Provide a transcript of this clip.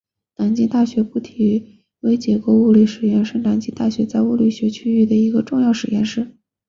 南京大学固体微结构物理实验室是南京大学在物理学领域的一个重要实验室。